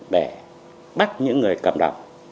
để bắt những người cầm đồng